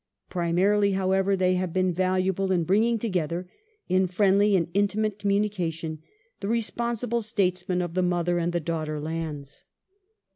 Primai ily, however, they have been valuable in bringing together, in friendly and intimate communication, the responsible statesmen of the mother and the daughter lands.